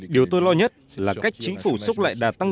điều tôi lo nhất là cách chính phủ xúc lại đà tăng